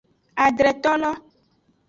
Adretolo.